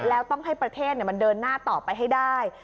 แล้วต้องให้ประเทศมันเดินหน้าต่อไปให้ได้